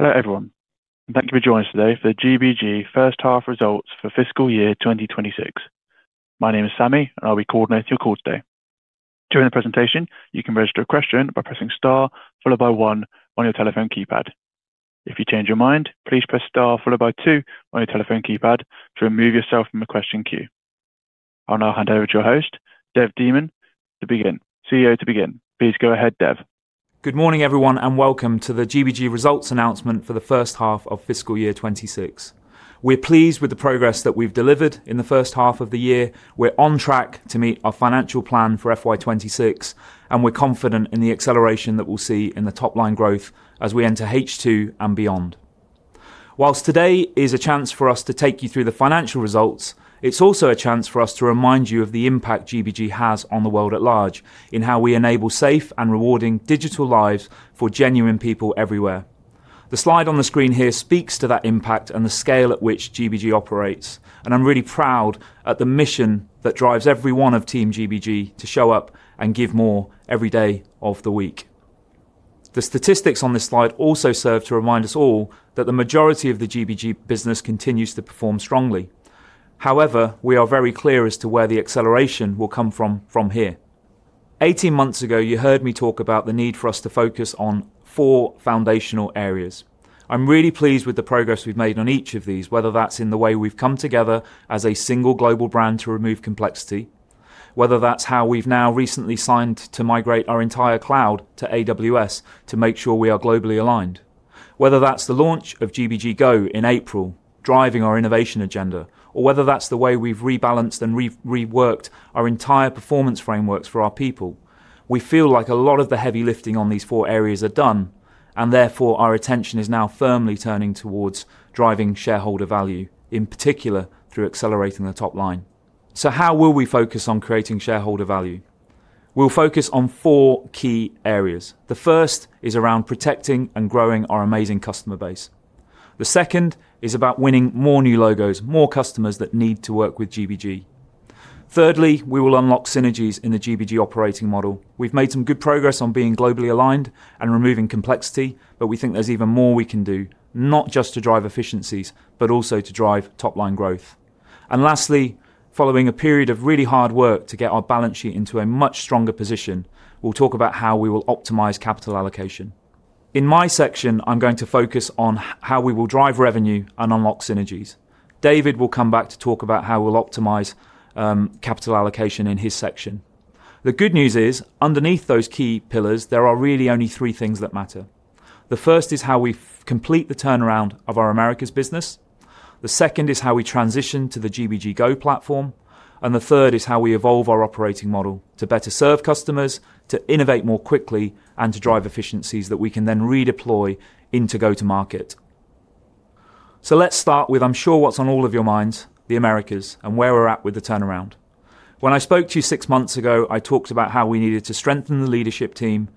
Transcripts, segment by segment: Hello everyone, and thank you for joining us today for the GBG first half results for fiscal year 2026. My name is Sammy, and I'll be coordinating your call today. During the presentation, you can register a question by pressing star followed by one on your telephone keypad. If you change your mind, please press star followed by two on your telephone keypad to remove yourself from the question queue. I'll now hand over to your host, Dev Dhiman, to begin. CEO to begin. Please go ahead, Dev. Good morning everyone, and welcome to the GBG results announcement for the first half of fiscal year 2026. We're pleased with the progress that we've delivered in the first half of the year. We're on track to meet our financial plan for FY 2026, and we're confident in the acceleration that we'll see in the top line growth as we enter H2 and beyond. Whilst today is a chance for us to take you through the financial results, it's also a chance for us to remind you of the impact GBG has on the world at large in how we enable safe and rewarding digital lives for genuine people everywhere. The slide on the screen here speaks to that impact and the scale at which GBG operates, and I'm really proud at the mission that drives every one of Team GBG to show up and give more every day of the week. The statistics on this slide also serve to remind us all that the majority of the GBG business continues to perform strongly. However, we are very clear as to where the acceleration will come from from here. Eighteen months ago, you heard me talk about the need for us to focus on four foundational areas. I'm really pleased with the progress we've made on each of these, whether that's in the way we've come together as a single global brand to remove complexity, whether that's how we've now recently signed to migrate our entire cloud to AWS to make sure we are globally aligned, whether that's the launch of GBG GO in April driving our innovation agenda, or whether that's the way we've rebalanced and reworked our entire performance frameworks for our people. We feel like a lot of the heavy lifting on these four areas are done, and therefore our attention is now firmly turning towards driving shareholder value, in particular through accelerating the top line. How will we focus on creating shareholder value? We'll focus on four key areas. The first is around protecting and growing our amazing customer base. The second is about winning more new logos, more customers that need to work with GBG. Thirdly, we will unlock synergies in the GBG operating model. We have made some good progress on being globally aligned and removing complexity, but we think there is even more we can do, not just to drive efficiencies, but also to drive top line growth. Lastly, following a period of really hard work to get our balance sheet into a much stronger position, we will talk about how we will optimize capital allocation. In my section, I am going to focus on how we will drive revenue and unlock synergies. David will come back to talk about how we will optimize capital allocation in his section. The good news is, underneath those key pillars, there are really only three things that matter. The first is how we complete the turnaround of our Americas business. The second is how we transition to the GBG GO platform. The third is how we evolve our operating model to better serve customers, to innovate more quickly, and to drive efficiencies that we can then redeploy into go-to-market. Let's start with, I'm sure what's on all of your minds, the Americas and where we're at with the turnaround. When I spoke to you six months ago, I talked about how we needed to strengthen the leadership team,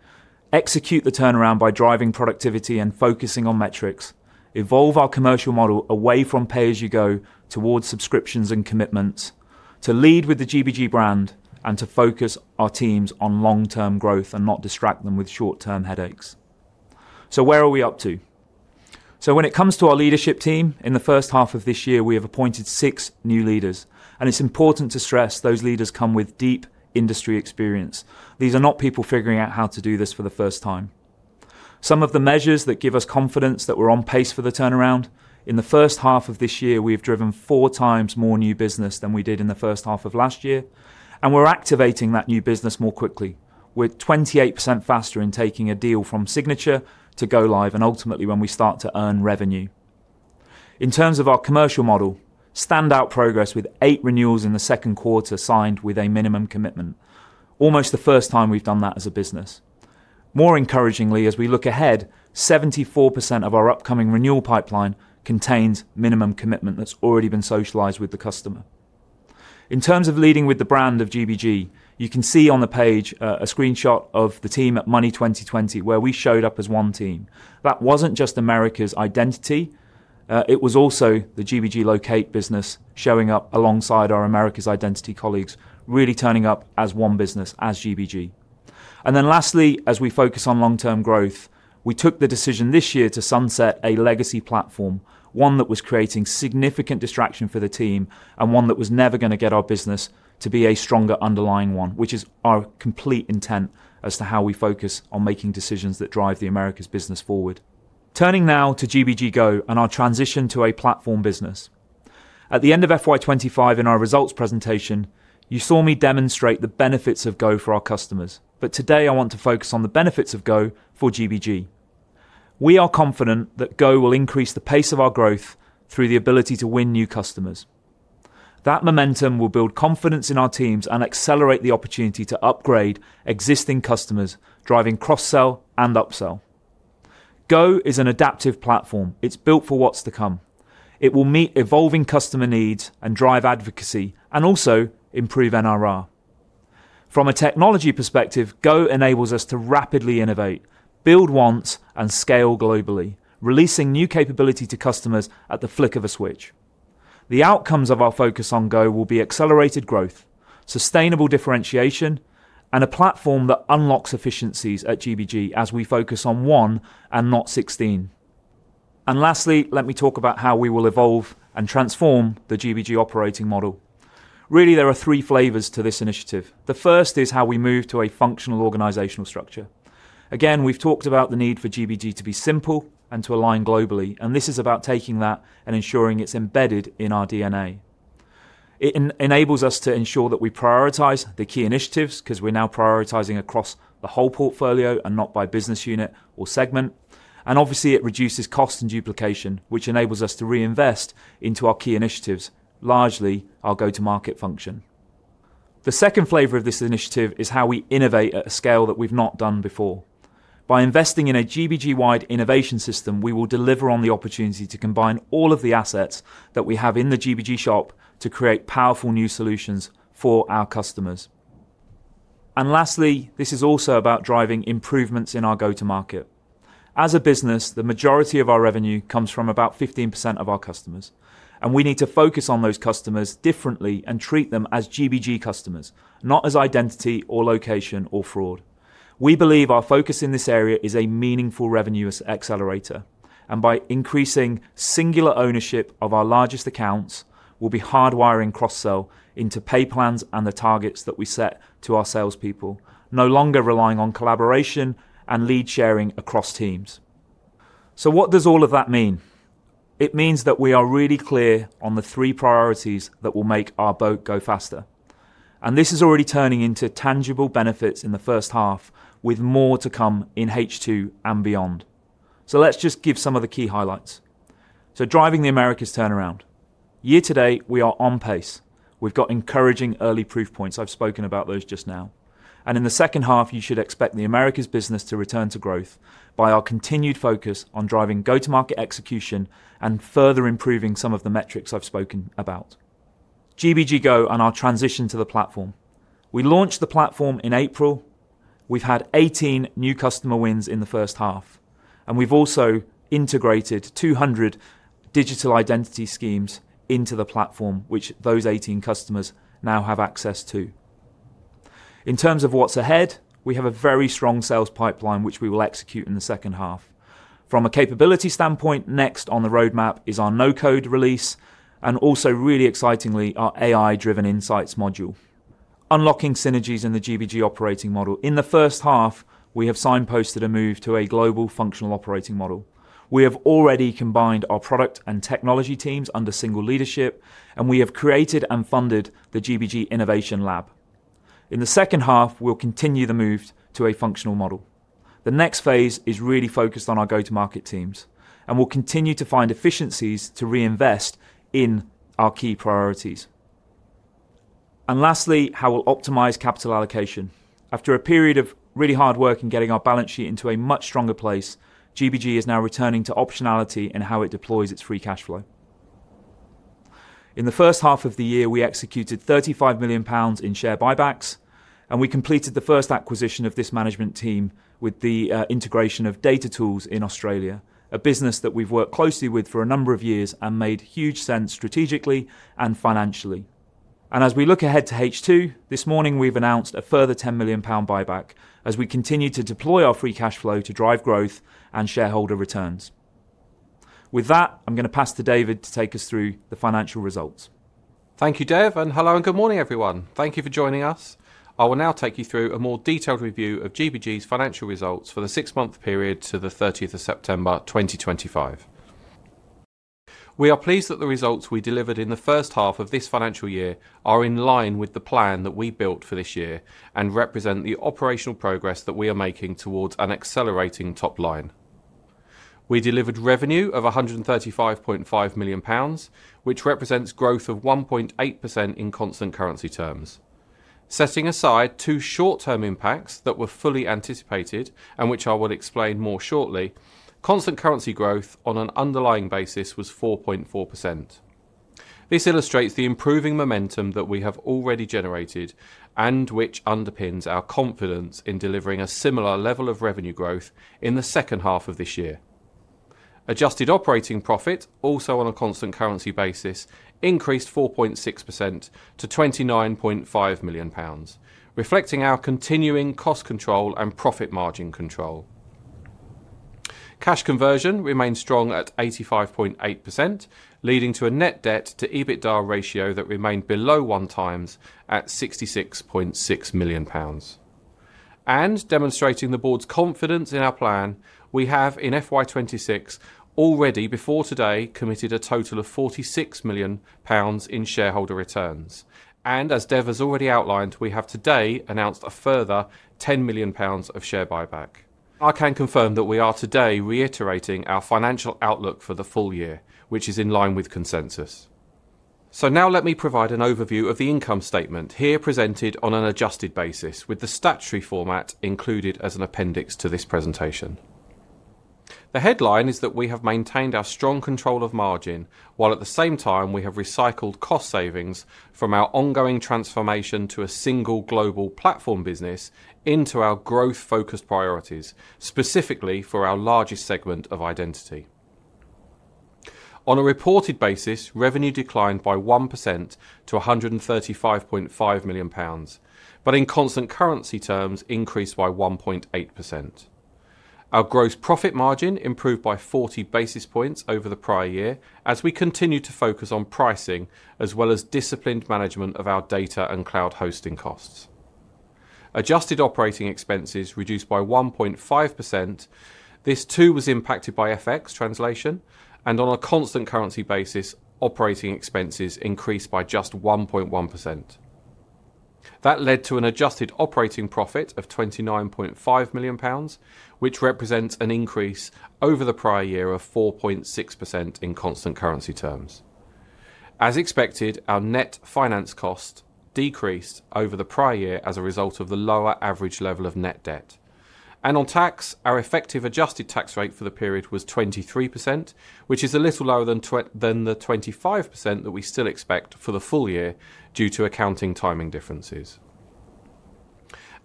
execute the turnaround by driving productivity and focusing on metrics, evolve our commercial model away from pay-as-you-go towards subscriptions and commitments, to lead with the GBG brand and to focus our teams on long-term growth and not distract them with short-term headaches. Where are we up to? When it comes to our leadership team, in the first half of this year, we have appointed six new leaders. It is important to stress those leaders come with deep industry experience. These are not people figuring out how to do this for the first time. Some of the measures that give us confidence that we are on pace for the turnaround, in the first half of this year, we have driven four times more new business than we did in the first half of last year. We are activating that new business more quickly. We are 28% faster in taking a deal from signature to go-live and ultimately when we start to earn revenue. In terms of our commercial model, standout progress with eight renewals in the second quarter signed with a minimum commitment, almost the first time we have done that as a business. More encouragingly, as we look ahead, 74% of our upcoming renewal pipeline contains minimum commitment that is already been socialized with the customer. In terms of leading with the brand of GBG, you can see on the page a screenshot of the team at Money 20/20, where we showed up as one team. That was not just America's identity. It was also the GBG Loqate business showing up alongside our America's identity colleagues, really turning up as one business, as GBG. Lastly, as we focus on long-term growth, we took the decision this year to sunset a legacy platform, one that was creating significant distraction for the team and one that was never going to get our business to be a stronger underlying one, which is our complete intent as to how we focus on making decisions that drive the America's business forward. Turning now to GBG GO and our transition to a platform business. At the end of FY 2025 in our results presentation, you saw me demonstrate the benefits of GO for our customers. Today I want to focus on the benefits of GO for GBG. We are confident that GO will increase the pace of our growth through the ability to win new customers. That momentum will build confidence in our teams and accelerate the opportunity to upgrade existing customers, driving cross-sell and up-sell. GO is an adaptive platform. It's built for what's to come. It will meet evolving customer needs and drive advocacy and also improve NRR. From a technology perspective, GO enables us to rapidly innovate, build once, and scale globally, releasing new capability to customers at the flick of a switch. The outcomes of our focus on GO will be accelerated growth, sustainable differentiation, and a platform that unlocks efficiencies at GBG as we focus on one and not 16. Lastly, let me talk about how we will evolve and transform the GBG operating model. Really, there are three flavors to this initiative. The first is how we move to a functional organizational structure. Again, we've talked about the need for GBG to be simple and to align globally, and this is about taking that and ensuring it's embedded in our DNA. It enables us to ensure that we prioritize the key initiatives because we're now prioritizing across the whole portfolio and not by business unit or segment. Obviously, it reduces cost and duplication, which enables us to reinvest into our key initiatives, largely our go-to-market function. The second flavor of this initiative is how we innovate at a scale that we've not done before. By investing in a GBG-wide innovation system, we will deliver on the opportunity to combine all of the assets that we have in the GBG shop to create powerful new solutions for our customers. Lastly, this is also about driving improvements in our go-to-market. As a business, the majority of our revenue comes from about 15% of our customers, and we need to focus on those customers differently and treat them as GBG customers, not as identity or location or fraud. We believe our focus in this area is a meaningful revenue accelerator. By increasing singular ownership of our largest accounts, we'll be hardwiring cross-sell into pay plans and the targets that we set to our salespeople, no longer relying on collaboration and lead sharing across teams. What does all of that mean? It means that we are really clear on the three priorities that will make our boat GO faster. This is already turning into tangible benefits in the first half, with more to come in H2 and beyond. Let's just give some of the key highlights. Driving the Americas turnaround. Year to date, we are on pace. We've got encouraging early proof points. I've spoken about those just now. In the second half, you should expect the Americas business to return to growth by our continued focus on driving go-to-market execution and further improving some of the metrics I've spoken about. GBG GO and our transition to the platform. We launched the platform in April. We've had 18 new customer wins in the first half. We have also integrated 200 digital identity schemes into the platform, which those 18 customers now have access to. In terms of what is ahead, we have a very strong sales pipeline, which we will execute in the second half. From a capability standpoint, next on the roadmap is our no-code release and also, really excitingly, our AI-driven insights module. Unlocking synergies in the GBG operating model. In the first half, we have signposted a move to a global functional operating model. We have already combined our product and technology teams under single leadership, and we have created and funded the GBG Innovation Lab. In the second half, we will continue the move to a functional model. The next phase is really focused on our go-to-market teams, and we will continue to find efficiencies to reinvest in our key priorities. Lastly, how we will optimize capital allocation. After a period of really hard work in getting our balance sheet into a much stronger place, GBG is now returning to optionality in how it deploys its free cash flow. In the first half of the year, we executed 35 million pounds in share buybacks, and we completed the first acquisition of this management team with the integration of Data Tools in Australia, a business that we've worked closely with for a number of years and made huge sense strategically and financially. As we look ahead to H2, this morning, we've announced a further 10 million pound buyback as we continue to deploy our free cash flow to drive growth and shareholder returns. With that, I'm going to pass to David to take us through the financial results. Thank you, Dev. Hello and good morning, everyone. Thank you for joining us. I will now take you through a more detailed review of GBG's financial results for the six-month period to the 30th of September 2025. We are pleased that the results we delivered in the first half of this financial year are in line with the plan that we built for this year and represent the operational progress that we are making towards an accelerating top line. We delivered revenue of 135.5 million pounds, which represents growth of 1.8% in constant currency terms. Setting aside two short-term impacts that were fully anticipated and which I will explain more shortly, constant currency growth on an underlying basis was 4.4%. This illustrates the improving momentum that we have already generated and which underpins our confidence in delivering a similar level of revenue growth in the second half of this year. Adjusted operating profit, also on a constant currency basis, increased 4.6% to 29.5 million pounds, reflecting our continuing cost control and profit margin control. Cash conversion remained strong at 85.8%, leading to a net debt to EBITDA ratio that remained below one times at 66.6 million pounds. Demonstrating the board's confidence in our plan, we have in FY 2026 already before today committed a total of 46 million pounds in shareholder returns. As Dev has already outlined, we have today announced a further 10 million pounds of share buyback. I can confirm that we are today reiterating our financial outlook for the full year, which is in line with consensus. Let me provide an overview of the income statement here presented on an adjusted basis with the statutory format included as an appendix to this presentation. The headline is that we have maintained our strong control of margin, while at the same time we have recycled cost savings from our ongoing transformation to a single global platform business into our growth-focused priorities, specifically for our largest segment of identity. On a reported basis, revenue declined by 1% to 135.5 million pounds, but in constant currency terms, increased by 1.8%. Our gross profit margin improved by 40 basis points over the prior year as we continue to focus on pricing as well as disciplined management of our data and cloud hosting costs. Adjusted operating expenses reduced by 1.5%. This too was impacted by FX translation. On a constant currency basis, operating expenses increased by just 1.1%. That led to an adjusted operating profit of 29.5 million pounds, which represents an increase over the prior year of 4.6% in constant currency terms. As expected, our net finance cost decreased over the prior year as a result of the lower average level of net debt. On tax, our effective adjusted tax rate for the period was 23%, which is a little lower than the 25% that we still expect for the full year due to accounting timing differences.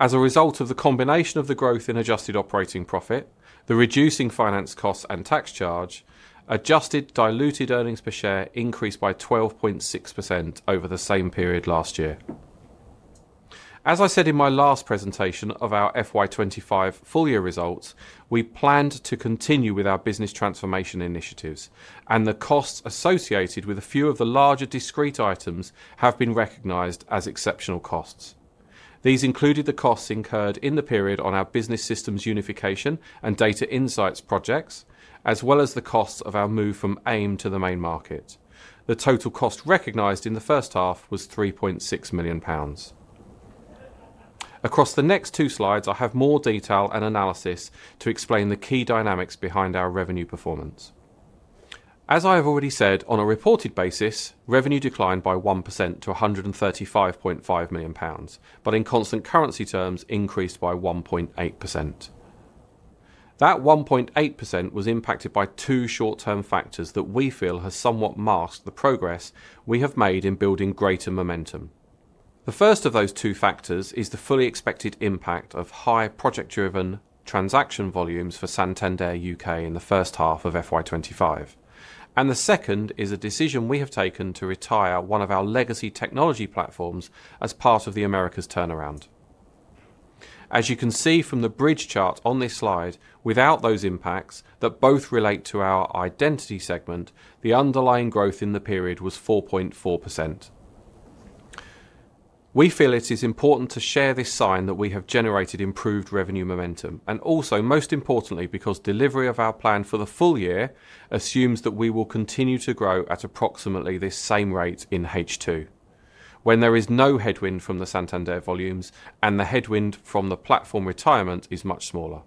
As a result of the combination of the growth in adjusted operating profit, the reducing finance costs and tax charge, adjusted diluted earnings per share increased by 12.6% over the same period last year. As I said in my last presentation of our FY 2025 full year results, we planned to continue with our business transformation initiatives, and the costs associated with a few of the larger discrete items have been recognized as exceptional costs. These included the costs incurred in the period on our business systems unification and data insights projects, as well as the costs of our move from AIM to the main market. The total cost recognized in the first half was 3.6 million pounds. Across the next two slides, I have more detail and analysis to explain the key dynamics behind our revenue performance. As I have already said, on a reported basis, revenue declined by 1% to 135.5 million pounds, but in constant currency terms, increased by 1.8%. That 1.8% was impacted by two short-term factors that we feel have somewhat masked the progress we have made in building greater momentum. The first of those two factors is the fully expected impact of high project-driven transaction volumes for Santander U.K in the first half of FY 2025. The second is a decision we have taken to retire one of our legacy technology platforms as part of the Americas turnaround. As you can see from the bridge chart on this slide, without those impacts that both relate to our identity segment, the underlying growth in the period was 4.4%. We feel it is important to share this sign that we have generated improved revenue momentum and also, most importantly, because delivery of our plan for the full year assumes that we will continue to grow at approximately this same rate in H2, when there is no headwind from the Santander volumes and the headwind from the platform retirement is much smaller.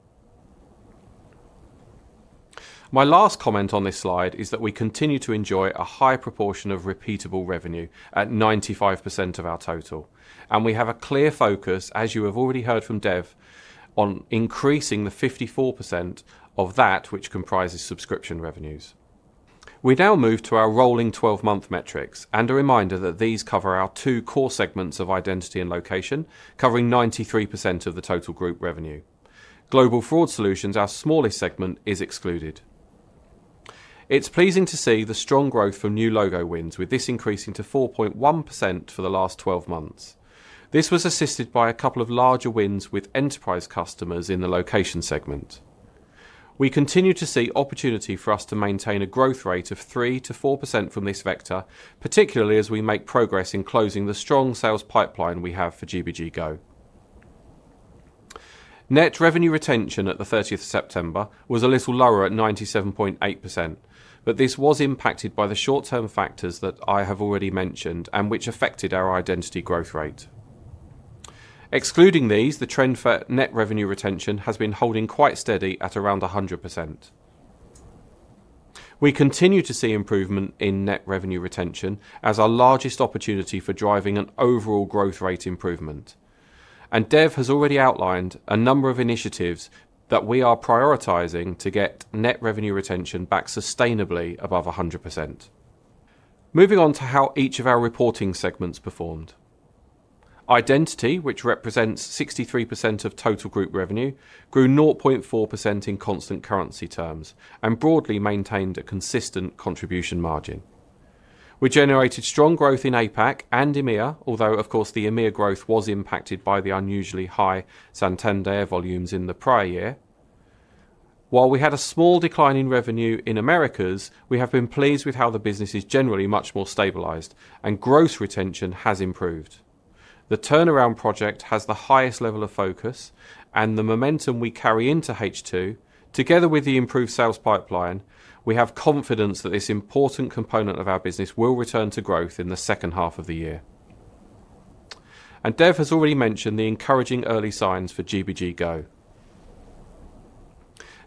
My last comment on this slide is that we continue to enjoy a high proportion of repeatable revenue at 95% of our total, and we have a clear focus, as you have already heard from Dev, on increasing the 54% of that which comprises subscription revenues. We now move to our rolling 12-month metrics and a reminder that these cover our two core segments of identity and location, covering 93% of the total group revenue. Global fraud solutions, our smallest segment, is excluded. It is pleasing to see the strong growth from new logo wins with this increasing to 4.1% for the last 12 months. This was assisted by a couple of larger wins with enterprise customers in the location segment. We continue to see opportunity for us to maintain a growth rate of 3%-4% from this vector, particularly as we make progress in closing the strong sales pipeline we have for GBG GO. Net revenue retention at the 30th of September was a little lower at 97.8%, but this was impacted by the short-term factors that I have already mentioned and which affected our identity growth rate. Excluding these, the trend for net revenue retention has been holding quite steady at around 100%. We continue to see improvement in net revenue retention as our largest opportunity for driving an overall growth rate improvement. Dev has already outlined a number of initiatives that we are prioritizing to get net revenue retention back sustainably above 100%. Moving on to how each of our reporting segments performed. Identity, which represents 63% of total group revenue, grew 0.4% in constant currency terms and broadly maintained a consistent contribution margin. We generated strong growth in APAC and EMEA, although, of course, the EMEA growth was impacted by the unusually high Santander U.K. volumes in the prior year. While we had a small decline in revenue in Americas, we have been pleased with how the business is generally much more stabilized and growth retention has improved. The turnaround project has the highest level of focus, and the momentum we carry into H2, together with the improved sales pipeline, gives us confidence that this important component of our business will return to growth in the second half of the year. Dev has already mentioned the encouraging early signs for GBG GO.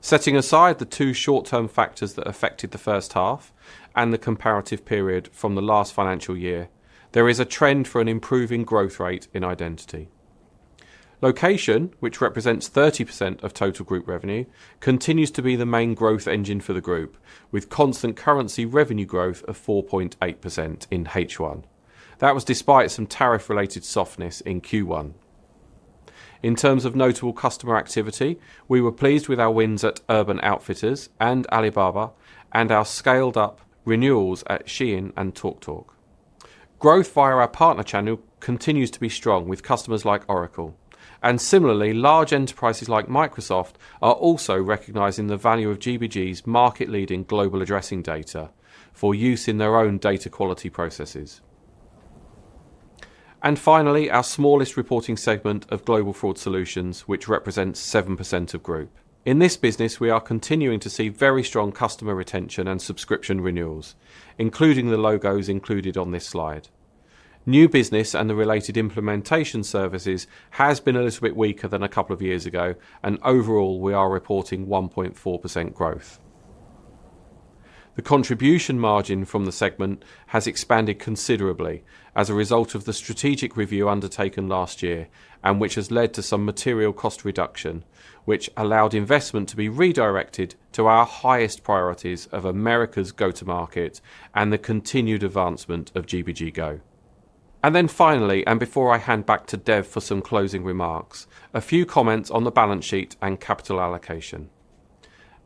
Setting aside the two short-term factors that affected the first half and the comparative period from the last financial year, there is a trend for an improving growth rate in identity. Location, which represents 30% of total group revenue, continues to be the main growth engine for the group, with constant currency revenue growth of 4.8% in H1. That was despite some tariff-related softness in Q1. In terms of notable customer activity, we were pleased with our wins at Urban Outfitters and Alibaba and our scaled-up renewals at Shein and TalkTalk. Growth via our partner channel continues to be strong with customers like Oracle. Similarly, large enterprises like Microsoft are also recognizing the value of GBG's market-leading global addressing data for use in their own data quality processes. Finally, our smallest reporting segment of Global Fraud Solutions, which represents 7% of group. In this business, we are continuing to see very strong customer retention and subscription renewals, including the logos included on this slide. New business and the related implementation services have been a little bit weaker than a couple of years ago, and overall, we are reporting 1.4% growth. The contribution margin from the segment has expanded considerably as a result of the strategic review undertaken last year, which has led to some material cost reduction, which allowed investment to be redirected to our highest priorities of Americas go-to-market and the continued advancement of GBG GO. Finally, before I hand back to Dev for some closing remarks, a few comments on the balance sheet and capital allocation.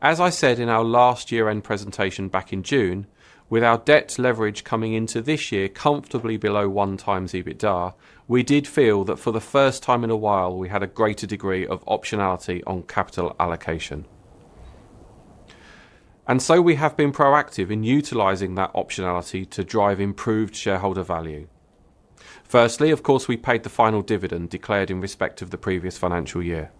As I said in our last year-end presentation back in June, with our debt leverage coming into this year comfortably below one times EBITDA, we did feel that for the first time in a while, we had a greater degree of optionality on capital allocation. We have been proactive in utilizing that optionality to drive improved shareholder value. Firstly, of course, we paid the final dividend declared in respect of the previous financial year.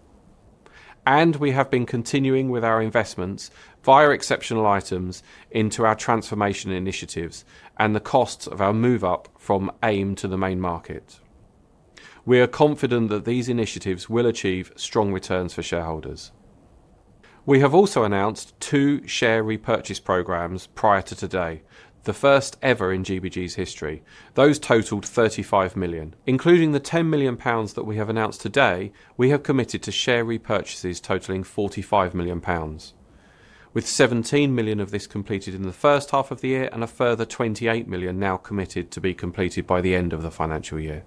We have been continuing with our investments via exceptional items into our transformation initiatives and the costs of our move-up from AIM to the main market. We are confident that these initiatives will achieve strong returns for shareholders. We have also announced two share repurchase programs prior to today, the first ever in GBG's history. Those totaled 35 million. Including the 10 million pounds that we have announced today, we have committed to share repurchases totaling 45 million pounds, with 17 million of this completed in the first half of the year and a further 28 million now committed to be completed by the end of the financial year.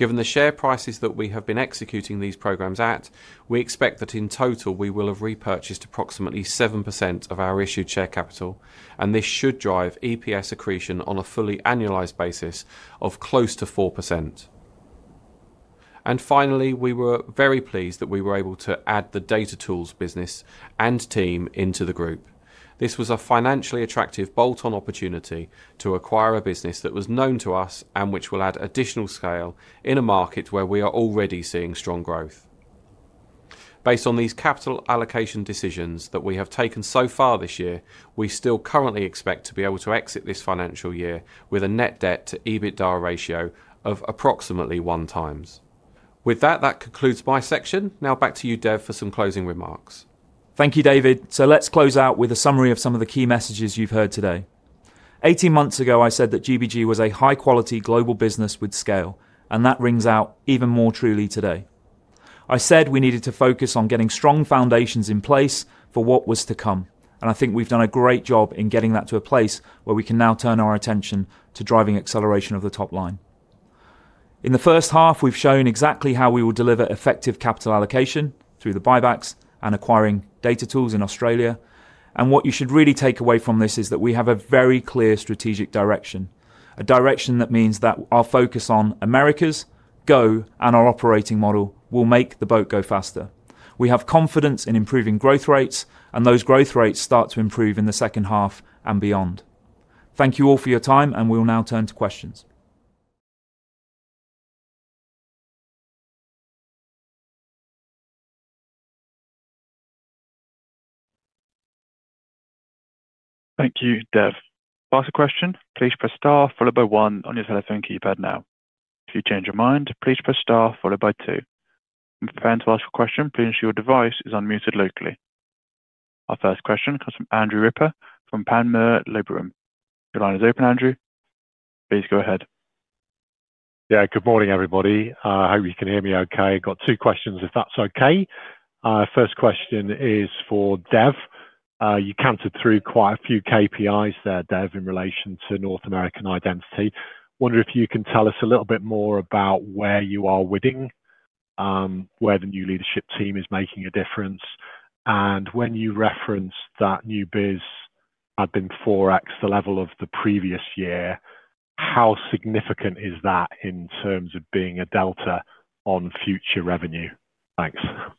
Given the share prices that we have been executing these programs at, we expect that in total, we will have repurchased approximately 7% of our issued share capital, and this should drive EPS accretion on a fully annualized basis of close to 4%. Finally, we were very pleased that we were able to add the Data Tools business and team into the group. This was a financially attractive bolt-on opportunity to acquire a business that was known to us and which will add additional scale in a market where we are already seeing strong growth. Based on these capital allocation decisions that we have taken so far this year, we still currently expect to be able to exit this financial year with a net debt to EBITDA ratio of approximately one times. With that, that concludes my section. Now back to you, Dev, for some closing remarks. Thank you, David. Let's close out with a summary of some of the key messages you've heard today. Eighteen months ago, I said that GBG was a high-quality global business with scale, and that rings out even more truly today. I said we needed to focus on getting strong foundations in place for what was to come, and I think we've done a great job in getting that to a place where we can now turn our attention to driving acceleration of the top line. In the first half, we've shown exactly how we will deliver effective capital allocation through the buybacks and acquiring Data Tools in Australia. What you should really take away from this is that we have a very clear strategic direction, a direction that means that our focus on Americas GO and our operating model will make the boat GO faster. We have confidence in improving growth rates, and those growth rates start to improve in the second half and beyond. Thank you all for your time, and we'll now turn to questions. Thank you, Dev. Last question. Please press star followed by one on your telephone keypad now. If you change your mind, please press star followed by two. If you're preparing to ask a question, please ensure your device is unmuted locally. Our first question comes from Andrew Ripper from Panmure Liberum. Your line is open, Andrew. Please go ahead. Yeah, good morning, everybody. I hope you can hear me okay. I've got two questions, if that's okay. First question is for Dev. You countered through quite a few KPIs there, Dev, in relation to North American identity. I wonder if you can tell us a little bit more about where you are within, where the new leadership team is making a difference, and when you referenced that new biz had been 4x the level of the previous year, how significant is that in terms of being a delta on future revenue? Thanks. Thanks,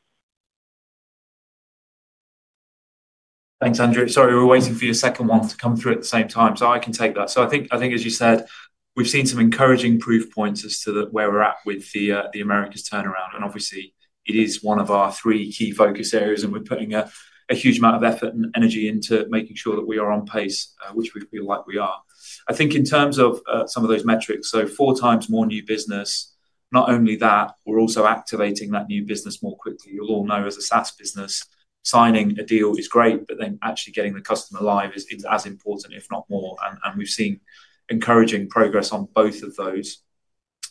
Andrew. Sorry, we were waiting for your second one to come through at the same time, so I can take that. I think, as you said, we've seen some encouraging proof points as to where we're at with the Americas turnaround.It is one of our three key focus areas, and we're putting a huge amount of effort and energy into making sure that we are on pace, which we feel like we are. I think in terms of some of those metrics, four times more new business, not only that, we're also activating that new business more quickly. You'll all know as a SaaS business, signing a deal is great, but then actually getting the customer live is as important, if not more. We've seen encouraging progress on both of those.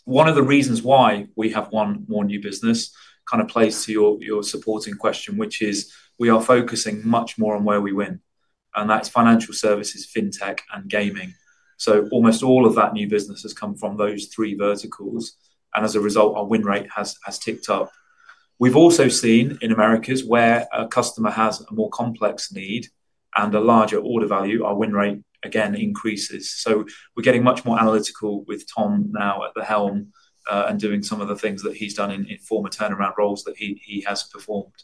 One of the reasons why we have won more new business kind of plays to your supporting question, which is we are focusing much more on where we win, and that's financial services, fintech, and gaming. Almost all of that new business has come from those three verticals, and as a result, our win rate has ticked up. We've also seen in Americas where a customer has a more complex need and a larger order value, our win rate, again, increases. We're getting much more analytical with Tom now at the helm and doing some of the things that he's done in former turnaround roles that he has performed.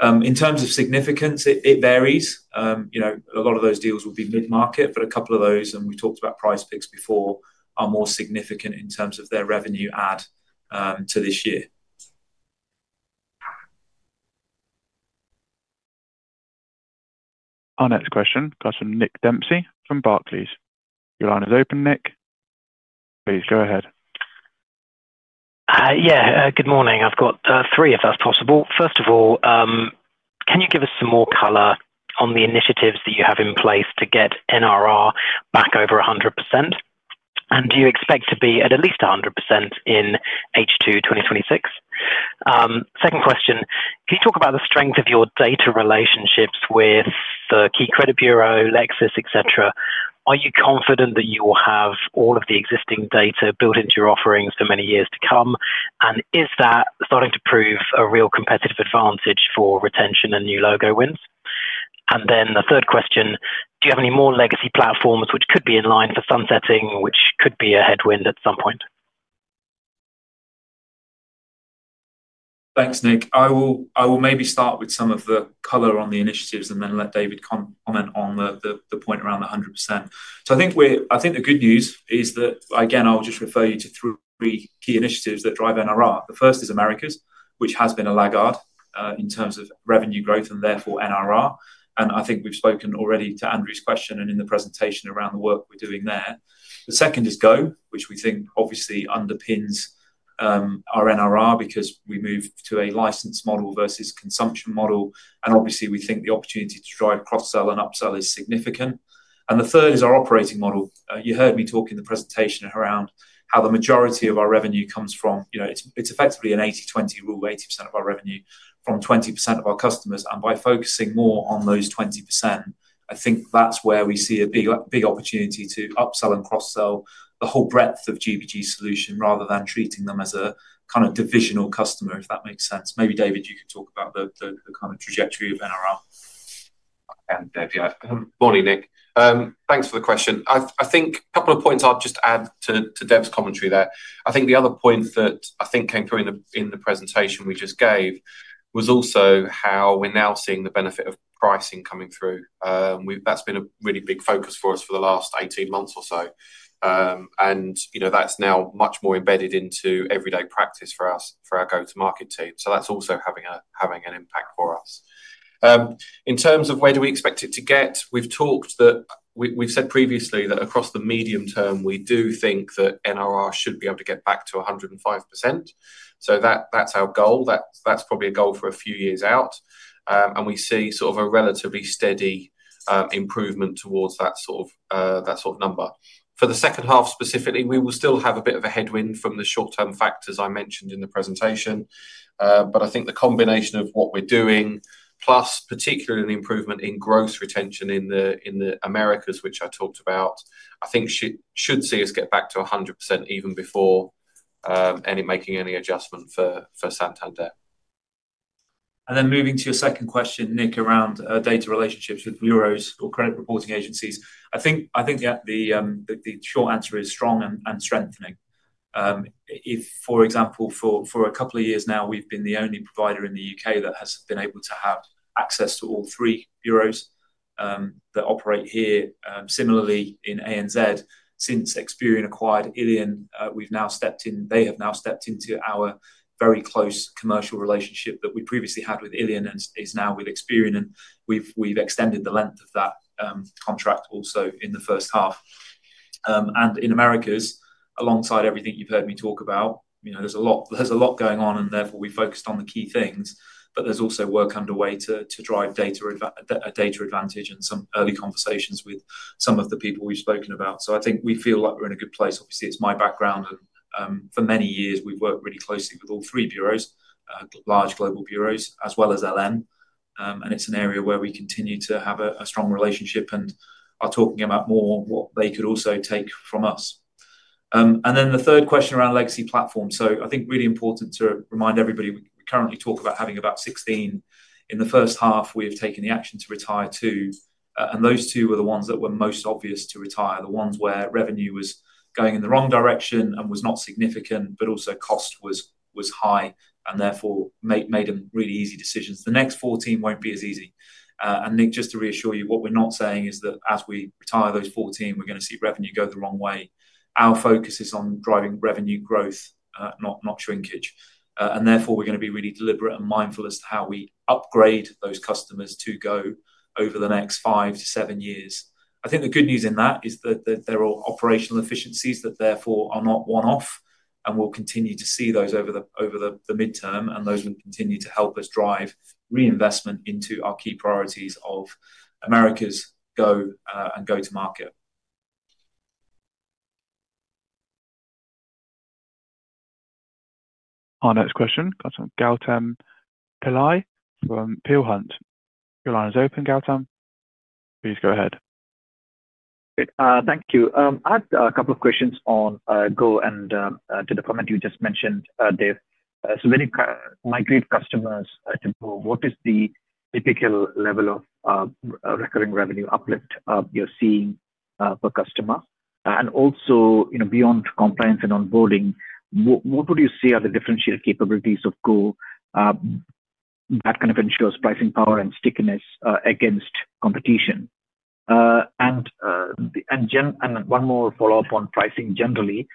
In terms of significance, it varies. A lot of those deals will be mid-market, but a couple of those, and we've talked about PrizePicks before, are more significant in terms of their revenue add to this year. Our next question comes from Nick Dempsey from Barclays Bank, please. Your line is open, Nick. Please go ahead. Yeah, good morning. I've got three if that's possible. First of all, can you give us some more color on the initiatives that you have in place to get NRR back over 100%? Do you expect to be at at least 100% in H2 2026? Second question, can you talk about the strength of your data relationships with the key credit bureau, LexisNexis, etc.? Are you confident that you will have all of the existing data built into your offerings for many years to come? Is that starting to prove a real competitive advantage for retention and new logo wins? The third question, do you have any more legacy platforms which could be in line for sunsetting, which could be a headwind at some point? Thanks, Nick. I will maybe start with some of the color on the initiatives and then let David comment on the point around the 100%.I think the good news is that, again, I'll just refer you to three key initiatives that drive NRR. The first is Americas, which has been a laggard in terms of revenue growth and therefore NRR. I think we've spoken already to Andrew's question and in the presentation around the work we're doing there. The second is GO, which we think obviously underpins our NRR because we moved to a license model versus consumption model. Obviously, we think the opportunity to drive cross-sell and up-sell is significant. The third is our operating model. You heard me talk in the presentation around how the majority of our revenue comes from, it's effectively an 80/20 rule, 80% of our revenue from 20% of our customers. By focusing more on those 20%, I think that's where we see a big opportunity to up-sell and cross-sell the whole breadth of GBG's solution rather than treating them as a kind of divisional customer, if that makes sense. Maybe David, you could talk about the kind of trajectory of NRR. Morning, Nick. Thanks for the question. I think a couple of points I'll just add to Dev's commentary there. I think the other point that I think came through in the presentation we just gave was also how we're now seeing the benefit of pricing coming through. That's been a really big focus for us for the last 18 months or so. That's now much more embedded into everyday practice for our go-to-market team. That's also having an impact for us. In terms of where do we expect it to get, we've said previously that across the medium term, we do think that NRR should be able to get back to 105%. That is our goal. That is probably a goal for a few years out. We see sort of a relatively steady improvement towards that sort of number. For the second half specifically, we will still have a bit of a headwind from the short-term factors I mentioned in the presentation. I think the combination of what we are doing, plus particularly an improvement in growth retention in the Americas, which I talked about, should see us get back to 100% even before making any adjustment for Santander. Moving to your second question, Nick, around data relationships with bureaus or credit reporting agencies, the short answer is strong and strengthening. For example, for a couple of years now, we've been the only provider in the U.K. that has been able to have access to all three bureaus that operate here. Similarly, in ANZ, since Experian acquired Ilyin, they have now stepped into our very close commercial relationship that we previously had with Ilyin and is now with Experian. We have extended the length of that contract also in the first half. In Americas, alongside everything you've heard me talk about, there's a lot going on, and therefore we focused on the key things, but there's also work underway to drive data advantage and some early conversations with some of the people we've spoken about. I think we feel like we're in a good place. Obviously, it's my background. For many years, we've worked really closely with all three bureaus, large global bureaus, as well as LM. It is an area where we continue to have a strong relationship and are talking about more what they could also take from us. The third question around legacy platforms. I think it is really important to remind everybody, we currently talk about having about 16. In the first half, we have taken the action to retire two. Those two were the ones that were most obvious to retire, the ones where revenue was going in the wrong direction and was not significant, but also cost was high and therefore made them really easy decisions. The next 14 will not be as easy. Nick, just to reassure you, what we are not saying is that as we retire those 14, we are going to see revenue go the wrong way. Our focus is on driving revenue growth, not shrinkage. Therefore, we're going to be really deliberate and mindful as to how we upgrade those customers to GO over the next five to seven years. I think the good news in that is that there are operational efficiencies that therefore are not one-off, and we'll continue to see those over the midterm, and those will continue to help us drive reinvestment into our key priorities of America's GO and go-to-market. Our next question comes from Gautam Pillai from Peel Hunt. Your line is open, Gautam. Please go ahead. Thank you. I had a couple of questions on GO and to the comment you just mentioned, Dev. When you migrate customers to GO, what is the typical level of recurring revenue uplift you're seeing per customer? Also, beyond compliance and onboarding, what would you say are the differential capabilities of GO that kind of ensures pricing power and stickiness against competition? One more follow-up on pricing generally,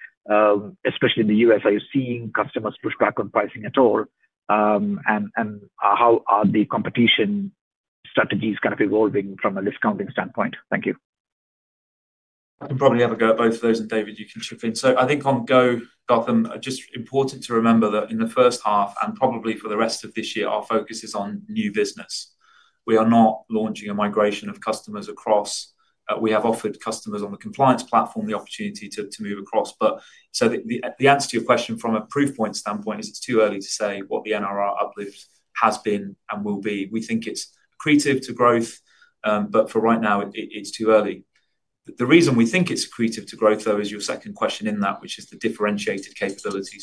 especially in the US, are you seeing customers push back on pricing at all? How are the competition strategies kind of evolving from a discounting standpoint? Thank you. I can probably have a go at both of those, and David, you can chip in. I think on GO, Gautam, just important to remember that in the first half and probably for the rest of this year, our focus is on new business. We are not launching a migration of customers across. We have offered customers on the compliance platform the opportunity to move across. The answer to your question from a proof point standpoint is it's too early to say what the NRR uplift has been and will be. We think it's accretive to growth, but for right now, it's too early. The reason we think it's accretive to growth, though, is your second question in that, which is the differentiated capability.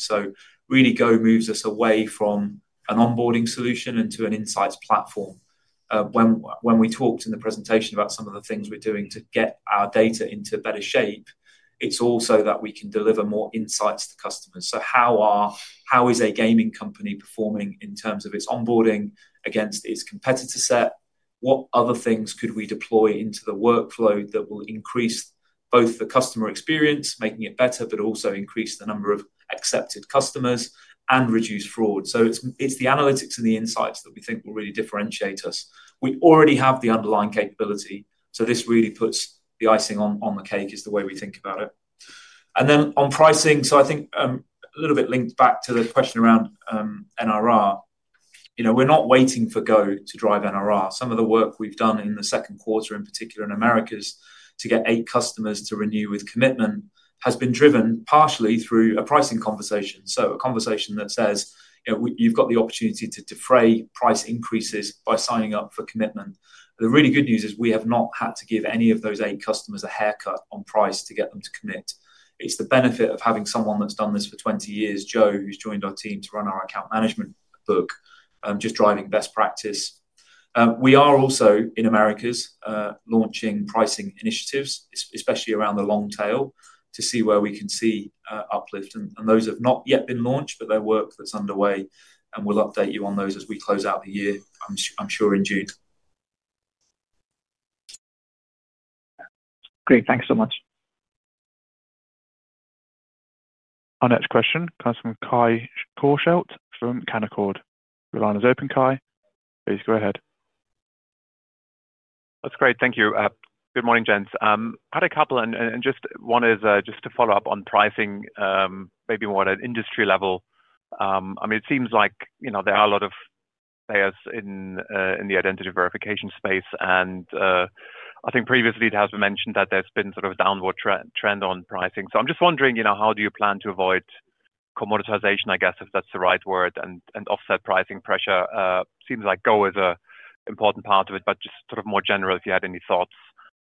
GO moves us away from an onboarding solution into an insights platform. When we talked in the presentation about some of the things we're doing to get our data into better shape, it's also that we can deliver more insights to customers. How is a gaming company performing in terms of its onboarding against its competitor set? What other things could we deploy into the workflow that will increase both the customer experience, making it better, but also increase the number of accepted customers and reduce fraud? It is the analytics and the insights that we think will really differentiate us. We already have the underlying capability, so this really puts the icing on the cake is the way we think about it. On pricing, I think a little bit linked back to the question around NRR, we're not waiting for GO to drive NRR. Some of the work we've done in the second quarter, in particular in Americas, to get eight customers to renew with commitment has been driven partially through a pricing conversation. A conversation that says you've got the opportunity to defray price increases by signing up for commitment. The really good news is we have not had to give any of those eight customers a haircut on price to get them to commit. It's the benefit of having someone that's done this for 20 years, Joe, who's joined our team to run our account management book, just driving best practice. We are also in Americas launching pricing initiatives, especially around the long tail, to see where we can see uplift. Those have not yet been launched, but they're work that's underway, and we'll update you on those as we close out the year, I'm sure, in June. Great. Thanks so much. Our next question comes from Kai Korschelt from Canaccord. Your line is open, Kai. Please go ahead. That's great. Thank you. Good morning, gents. I had a couple, and just one is just to follow up on pricing, maybe more at an industry level. I mean, it seems like there are a lot of players in the identity verification space, and I think previously it has been mentioned that there's been sort of a downward trend on pricing. I am just wondering, how do you plan to avoid commoditization, I guess, if that's the right word, and offset pricing pressure? Seems like GO is an important part of it, but just sort of more general, if you had any thoughts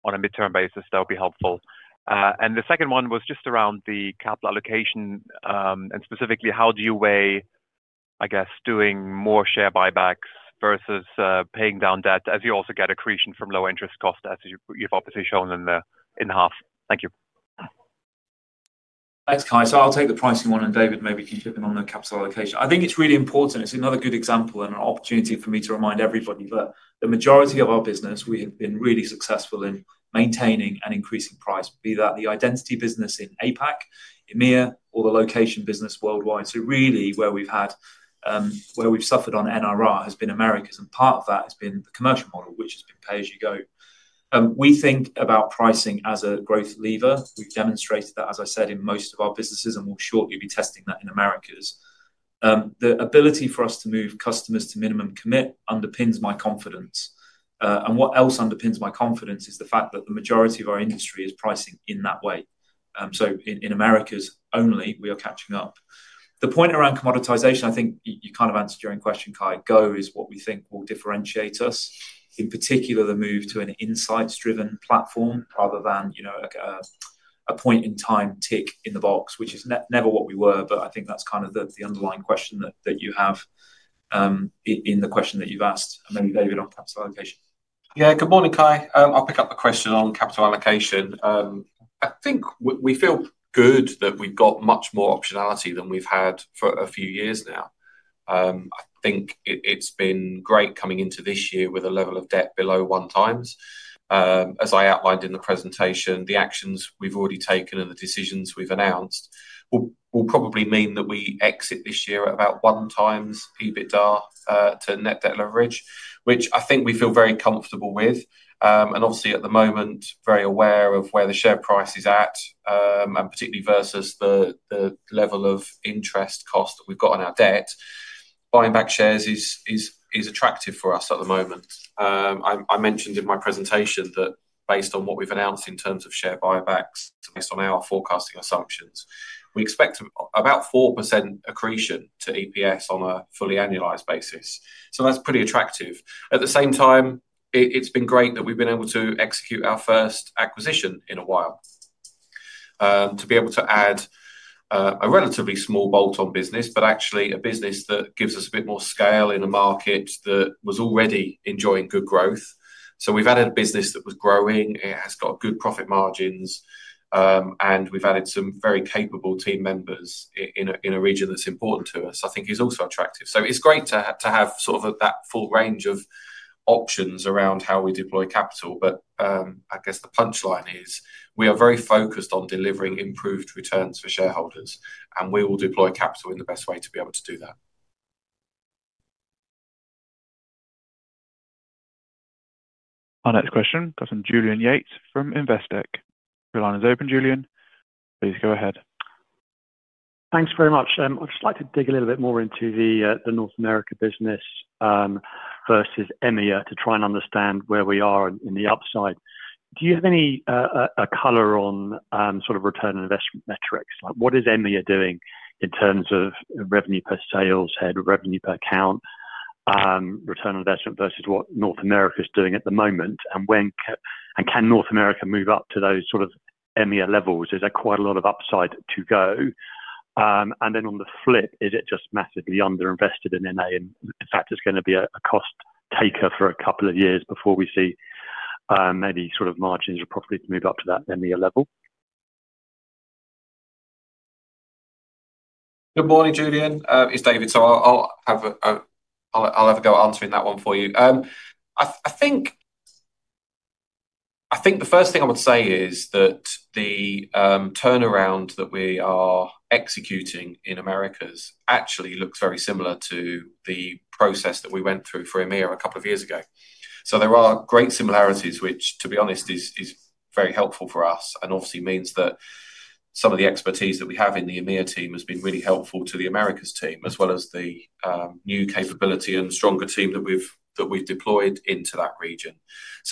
on a midterm basis, that would be helpful. The second one was just around the capital allocation and specifically how do you weigh, I guess, doing more share buybacks versus paying down debt as you also get accretion from low-interest cost, as you've obviously shown in the half. Thank you. Thanks, Kai. I will take the pricing one, and David, maybe you can chip in on the capital allocation.I think it's really important. It's another good example and an opportunity for me to remind everybody that the majority of our business, we have been really successful in maintaining and increasing price, be that the identity business in APAC, EMEA, or the location business worldwide. Really, where we've suffered on NRR has been Americas, and part of that has been the commercial model, which has been pay as you go. We think about pricing as a growth lever. We've demonstrated that, as I said, in most of our businesses, and we'll shortly be testing that in Americas. The ability for us to move customers to minimum commit underpins my confidence. What else underpins my confidence is the fact that the majority of our industry is pricing in that way. In Americas only, we are catching up. The point around commoditization, I think you kind of answered your own question, Kai. GO is what we think will differentiate us, in particular the move to an insights-driven platform rather than a point-in-time tick in the box, which is never what we were, but I think that's kind of the underlying question that you have in the question that you've asked. Maybe David on capital allocation. Yeah, good morning, Kai. I'll pick up the question on capital allocation. I think we feel good that we've got much more optionality than we've had for a few years now. I think it's been great coming into this year with a level of debt below one times. As I outlined in the presentation, the actions we've already taken and the decisions we've announced will probably mean that we exit this year at about one times EBITDA to net debt leverage, which I think we feel very comfortable with. Obviously, at the moment, very aware of where the share price is at, and particularly versus the level of interest cost that we've got on our debt. Buying back shares is attractive for us at the moment. I mentioned in my presentation that based on what we've announced in terms of share buybacks, based on our forecasting assumptions, we expect about 4% accretion to EPS on a fully annualized basis. That's pretty attractive. At the same time, it's been great that we've been able to execute our first acquisition in a while to be able to add a relatively small bolt-on business, but actually a business that gives us a bit more scale in a market that was already enjoying good growth. We've added a business that was growing. It has got good profit margins, and we've added some very capable team members in a region that's important to us. I think it's also attractive. It's great to have sort of that full range of options around how we deploy capital. I guess the punchline is we are very focused on delivering improved returns for shareholders, and we will deploy capital in the best way to be able to do that. Our next question comes from Julian Yates from Investec. Your line is open, Julian. Please go ahead. Thanks very much. I'd just like to dig a little bit more into the North America business versus EMEA to try and understand where we are in the upside. Do you have any color on sort of return investment metrics? What is EMEA doing in terms of revenue per sales, head revenue per account, return investment versus what North America is doing at the moment? Can North America move up to those sort of EMEA levels? Is there quite a lot of upside to go? On the flip, is it just massively underinvested in EMEA? In fact, it's going to be a cost taker for a couple of years before we see maybe sort of margins are properly to move up to that EMEA level. Good morning, Julian. It's David. I'll have a go at answering that one for you.I think the first thing I would say is that the turnaround that we are executing in Americas actually looks very similar to the process that we went through for EMEA a couple of years ago. There are great similarities, which, to be honest, is very helpful for us. It obviously means that some of the expertise that we have in the EMEA team has been really helpful to the Americas team, as well as the new capability and stronger team that we've deployed into that region.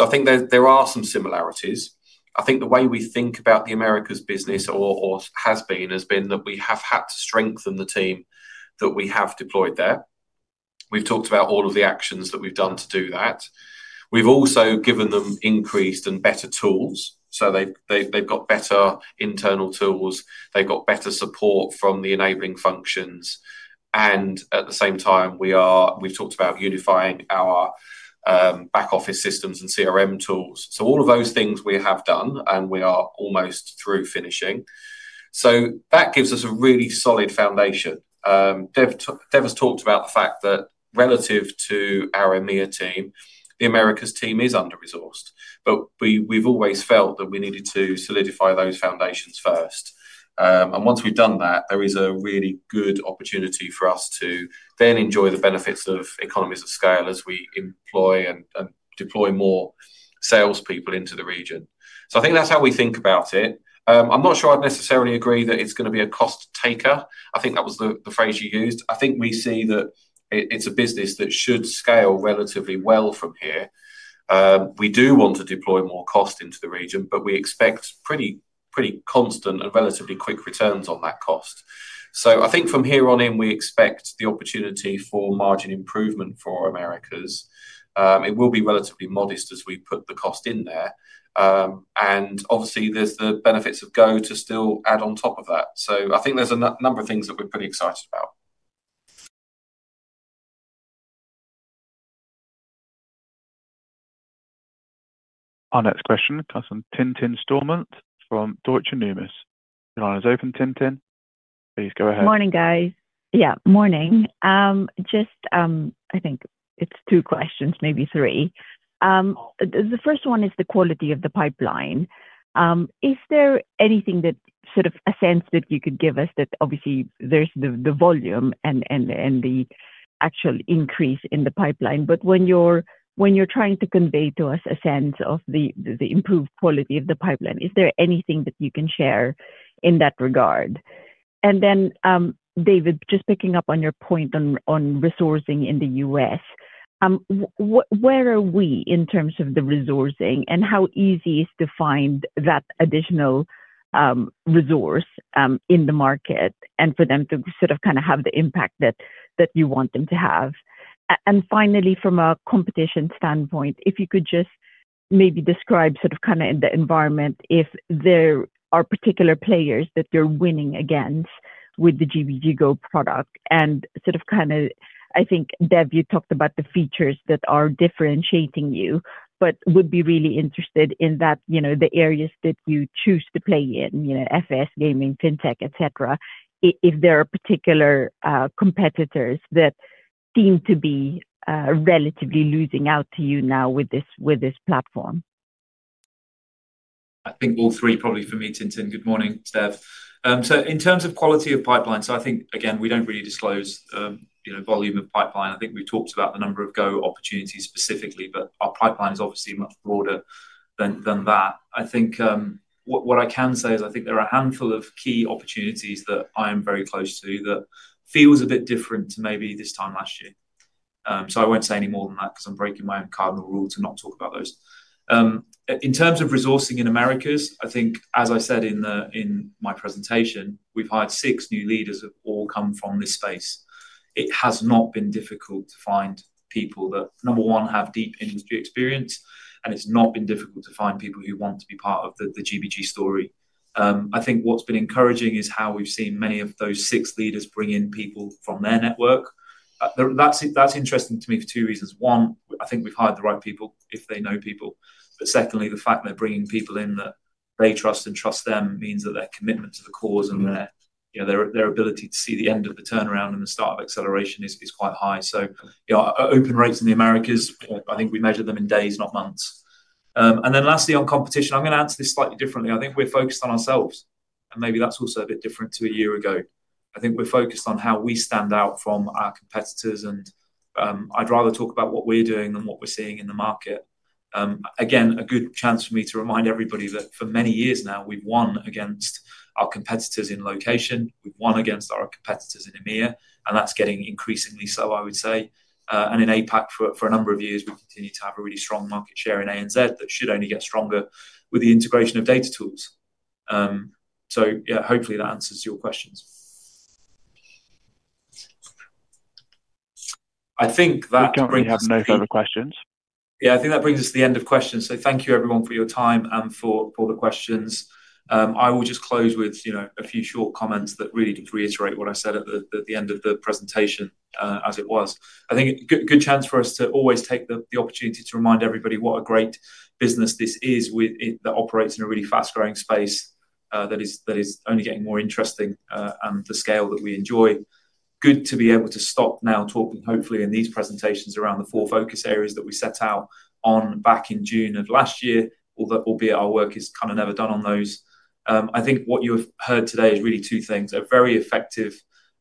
I think there are some similarities. I think the way we think about the Americas business has been that we have had to strengthen the team that we have deployed there. We've talked about all of the actions that we've done to do that. We've also given them increased and better tools. They've got better internal tools. They've got better support from the enabling functions. At the same time, we've talked about unifying our back office systems and CRM tools. All of those things we have done, and we are almost through finishing. That gives us a really solid foundation. Dev has talked about the fact that relative to our EMEA team, the Americas team is under-resourced, but we've always felt that we needed to solidify those foundations first. Once we've done that, there is a really good opportunity for us to then enjoy the benefits of economies of scale as we employ and deploy more salespeople into the region. I think that's how we think about it. I'm not sure I'd necessarily agree that it's going to be a cost taker. I think that was the phrase you used. I think we see that it's a business that should scale relatively well from here. We do want to deploy more cost into the region, but we expect pretty constant and relatively quick returns on that cost. I think from here on in, we expect the opportunity for margin improvement for our Americas. It will be relatively modest as we put the cost in there. Obviously, there's the benefits of GO to still add on top of that. I think there's a number of things that we're pretty excited about. Our next question comes from Tintin Stormont from Deutsche Numis. Your line is open. Tintin, please go ahead. Good morning, guys. Yeah, morning. Just I think it's two questions, maybe three. The first one is the quality of the pipeline. Is there anything that sort of a sense that you could give us that obviously there is the volume and the actual increase in the pipeline? When you are trying to convey to us a sense of the improved quality of the pipeline, is there anything that you can share in that regard? David, just picking up on your point on resourcing in the U.S., where are we in terms of the resourcing and how easy is it to find that additional resource in the market and for them to sort of kind of have the impact that you want them to have? Finally, from a competition standpoint, if you could just maybe describe sort of kind of in the environment if there are particular players that you are winning against with the GBG GO product. Sort of kind of, I think, Dev, you talked about the features that are differentiating you, but would be really interested in the areas that you choose to play in, FS, gaming, fintech, etc., if there are particular competitors that seem to be relatively losing out to you now with this platform. I think all three probably for me, Tintin. Good morning, Dev. In terms of quality of pipeline, I think, again, we do not really disclose volume of pipeline. I think we have talked about the number of GO opportunities specifically, but our pipeline is obviously much broader than that. I think what I can say is I think there are a handful of key opportunities that I am very close to that feels a bit different to maybe this time last year. I will not say any more than that because I am breaking my own cardinal rule to not talk about those. In terms of resourcing in Americas, I think, as I said in my presentation, we have hired six new leaders who have all come from this space. It has not been difficult to find people that, number one, have deep industry experience, and it has not been difficult to find people who want to be part of the GBG story. I think what is encouraging is how we have seen many of those six leaders bring in people from their network. That is interesting to me for two reasons. One, I think we have hired the right people if they know people. Secondly, the fact they're bringing people in that they trust and trust them means that their commitment to the cause and their ability to see the end of the turnaround and the start of acceleration is quite high. Open rates in the Americas, I think we measured them in days, not months. Lastly, on competition, I'm going to answer this slightly differently. I think we're focused on ourselves, and maybe that's also a bit different to a year ago. I think we're focused on how we stand out from our competitors, and I'd rather talk about what we're doing than what we're seeing in the market. Again, a good chance for me to remind everybody that for many years now, we've won against our competitors in location. We've won against our competitors in EMEA, and that's getting increasingly so, I would say. In APAC, for a number of years, we've continued to have a really strong market share in ANZ that should only get stronger with the integration of Data Tools. Yeah, hopefully that answers your questions. I think that brings us to the end. We don't have no further questions. Yeah, I think that brings us to the end of questions. Thank you, everyone, for your time and for the questions. I will just close with a few short comments that really just reiterate what I said at the end of the presentation as it was. I think a good chance for us to always take the opportunity to remind everybody what a great business this is that operates in a really fast-growing space that is only getting more interesting and the scale that we enjoy. Good to be able to stop now talking, hopefully, in these presentations around the four focus areas that we set out on back in June of last year, albeit our work is kind of never done on those. I think what you have heard today is really two things: a very effective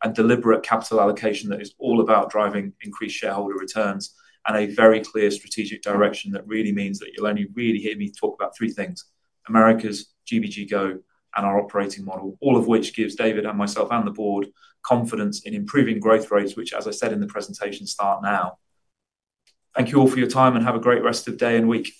and deliberate capital allocation that is all about driving increased shareholder returns and a very clear strategic direction that really means that you'll only really hear me talk about three things: Americas, GBG GO, and our operating model, all of which gives David and myself and the board confidence in improving growth rates, which, as I said in the presentation, start now. Thank you all for your time and have a great rest of day and week.